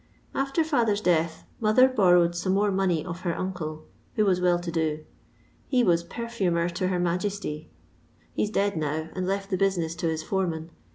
After father's death mother borrowed some more money of her uncle, who was well to do. He was perfumer to her Majesty : he 's dead now, and left the busineu to his foreman.